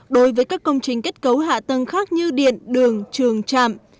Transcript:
đối với các công trình kết cấu hạ tầng khác như điện đường trường trạm